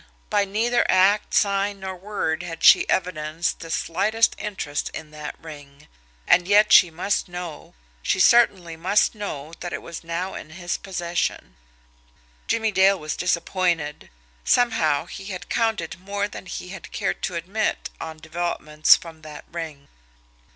By neither act, sign, nor word had she evidenced the slightest interest in that ring and yet she must know, she certainly must know that it was now in his possession. Jimmie Dale was disappointed. Somehow, he had counted more than he had cared to admit on developments from that ring.